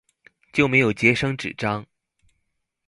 就沒有節省紙張